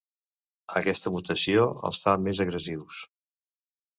Aquesta mutació els fa més agressius.